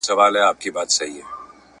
شرمنده دي مشران وي ستا كردار ته !.